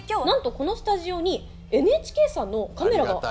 なんとこのスタジオにＮＨＫさんのカメラが。